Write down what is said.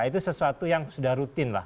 itu sesuatu yang sudah rutin lah